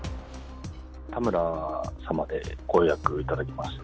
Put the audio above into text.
田村様でご予約いただきました。